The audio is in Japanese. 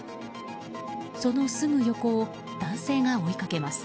そのすぐ横を男性が追いかけます。